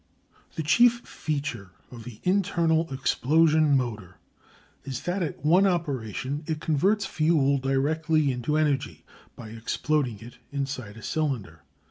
The chief feature of the internal explosion motor is that at one operation it converts fuel directly into energy, by exploding it inside a cylinder.